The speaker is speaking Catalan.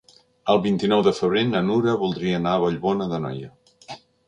El vint-i-nou de febrer na Nura voldria anar a Vallbona d'Anoia.